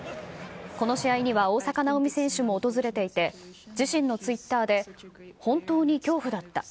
この試合には大坂なおみ選手も訪れていて、自身のツイッターで、本当に恐怖だった。